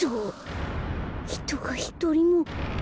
ひとがひとりもいない。